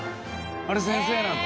あれ先生なんだ。